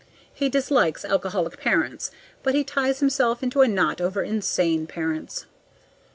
He dislikes alcoholic parents, but he ties himself into a knot over insane parents.